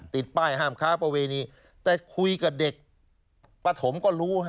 ติดป้ายห้ามค้าประเวณีแต่คุยกับเด็กปฐมก็รู้